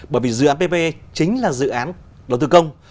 bởi vì dự án pp chính là dự án đầu tư công